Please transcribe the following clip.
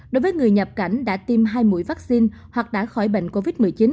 đối với người nhập cảnh đã tiêm hai mũi vaccine hoặc đã khỏi bệnh covid một mươi chín